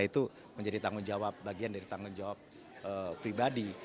itu menjadi tanggung jawab bagian dari tanggung jawab pribadi